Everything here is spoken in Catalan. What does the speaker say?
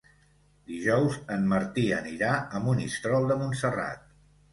Dijous en Martí anirà a Monistrol de Montserrat.